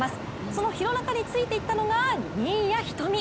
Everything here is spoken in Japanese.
その廣中についていったのが新谷仁美。